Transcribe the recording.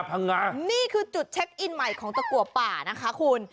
พังงานี่คือจุดเช็คอินใหม่ของตะกัวป่านะคะคุณ